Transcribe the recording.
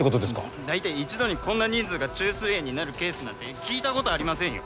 だいたい一度にこんな人数が虫垂炎になるケースなんて聞いたことありませんよ。